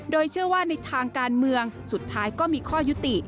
โดยเชื่อว่าในทางการเมืองสุดท้ายก็มีข้อยุติ